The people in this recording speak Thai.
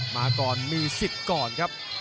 มาก่อนมีสิทธิ์ก่อนครับ